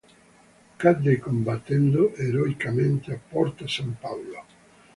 Cadde combattendo eroicamente a Porta San Paolo.